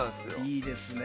いいですね。